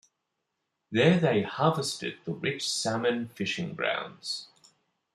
There they harvested the rich salmon fishing grounds.